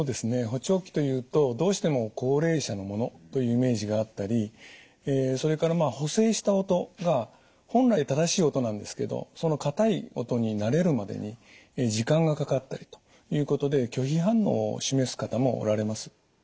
補聴器というとどうしても高齢者のものというイメージがあったりそれから補正した音が本来正しい音なんですけどその硬い音に慣れるまでに時間がかかったりということで拒否反応を示す方もおられます。